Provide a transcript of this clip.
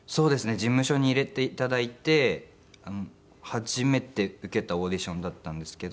事務所に入れて頂いて初めて受けたオーディションだったんですけど。